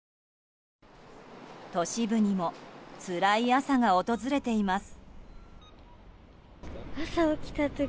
都市部にもつらい朝が訪れています。